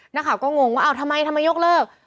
หน้าข่าวก็งงว่าทำไมยกเลิก